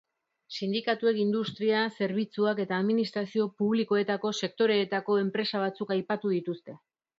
Sindikatuek industria, zerbitzuak eta administrazio publikoetako sektoreetako empresa batzuk aipatu dituzte.